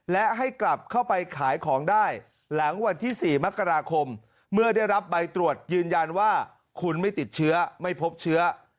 และให้กลับเข้าไปขายของได้หลังวันที่๔มกราคมเมื่อได้รับใบตรวจยืนยันว่าคุณไม่ติดเชื้อไม่พบเชื้อ